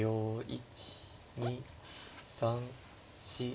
１２３４。